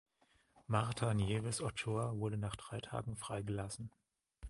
Marta Nieves Ochoa wurde nach drei Tagen freigelassen.